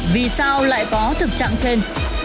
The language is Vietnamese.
vì sao lại có thực trạng trên